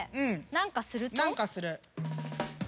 何かする。